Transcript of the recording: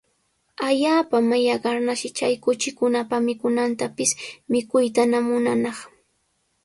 Allaapa mallaqnarshi chay kuchikunapa mikunantapis mikuytana munanaq.